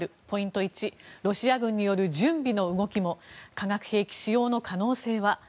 ポイント１ロシア軍による準備の動きも化学兵器使用の可能性は？